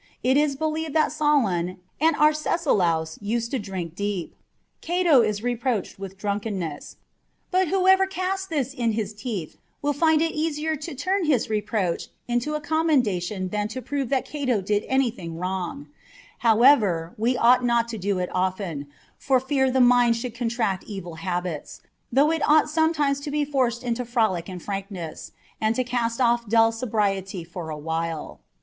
It is believed that Solon and Arcesilaus used to drink deep. Cato is reproached with drunkenness : but whoever casts this in his teeth will find it easier to turn his reproach into a commendation than to prove that Cato did anything wrong : however, we ought not to do it often, for fear the mind should contract evil habits, though it ought some times to be forced into frolic and frankness, and to cast off dull sobriety for a while.